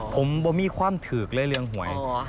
ผมไม่มีความถือกเลยเรื่องหวย